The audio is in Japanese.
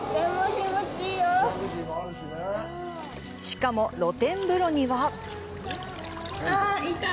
しかも、露天風呂にはあっ、いた！